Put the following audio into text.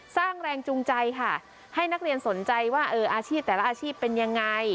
สร้างแรงจูงใจค่ะให้นักเรียนสนใจว่าอาชีพแต่ละอาชีพเป็นยังไง